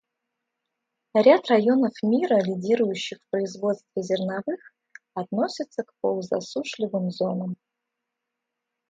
Ряд районов мира, лидирующих в производстве зерновых, относятся к полузасушливым зонам.